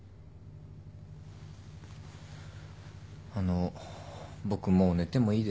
あの僕もう寝てもいいですか？